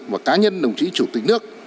và cá nhân đồng chí chủ tịch nước